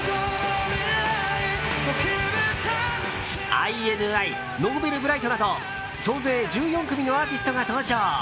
ＩＮＩＮｏｖｅｌｂｒｉｇｈｔなど総勢１４組のアーティストが登場。